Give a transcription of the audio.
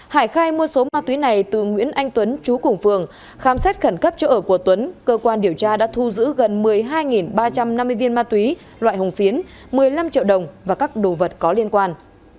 hải khai mua số ma túy này từ nguyễn anh tuấn chú cùng phường khám xét khẩn cấp chỗ ở của tuấn cơ quan điều tra đã thu giữ gần một mươi hai ba trăm năm mươi viên ma túy loại hồng phiến một mươi năm triệu đồng và các đồ vật có liên quan